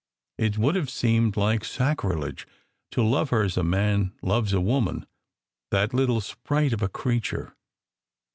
It would have seemed like sacrilege to love her as a man loves a woman that little sprite of a creature.